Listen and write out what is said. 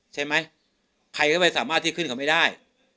ใช่ไหมใครก็ไม่สามารถที่ขึ้นเขาไม่ได้